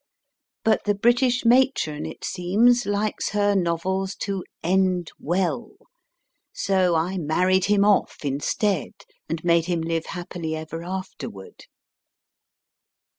But the British matron, it seems, likes her novels to end well ; so I married him off instead, and made him live happily ever afterward.